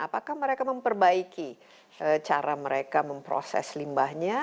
apakah mereka memperbaiki cara mereka memproses limbahnya